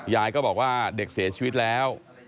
ยายก็บอกว่าเด็กเสียชีวิตแล้ว